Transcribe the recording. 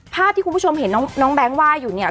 ภาพที่คุณผู้ชมเห็นน้องแบงค์ว่าอยู่เนี่ย